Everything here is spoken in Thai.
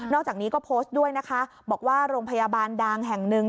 อกจากนี้ก็โพสต์ด้วยนะคะบอกว่าโรงพยาบาลดังแห่งหนึ่ง